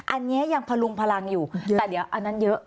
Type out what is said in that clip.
อันนี้ยังพลุงพลังอยู่แต่เดี๋ยวอันนั้นเยอะ